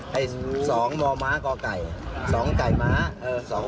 ให้๒บ่อม้ากล่อไก่